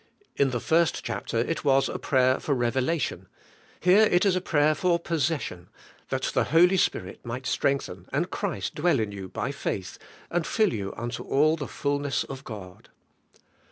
In the first chapter it was a prayer for revelation, here it is a prayer for possession; that the Holy Spirit mig ht strength en and Christ dwell in you by faith and fill you unto all the fullness of God.